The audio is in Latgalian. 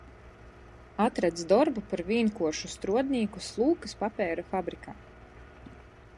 Atrads dorbu par vīnkuoršu struodnīku Slūkys papeira fabrikā.